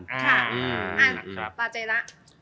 ตาเจระ